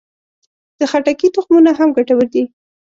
د خټکي تخمونه هم ګټور دي.